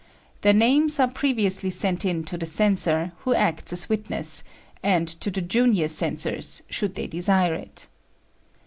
Their names are previously sent in to the censor, who acts as witness; and to the junior censors, should they desire it.